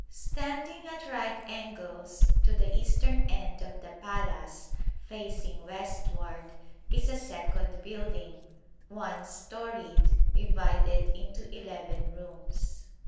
Standing at right angles to the eastern end of the palace, facing westward, is a second building, one storeyed, divided into eleven rooms.